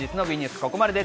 ここまでです。